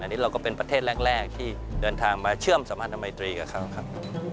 อันนี้เราก็เป็นประเทศแรกที่เดินทางมาเชื่อมสัมพันธมัยตรีกับเขาครับ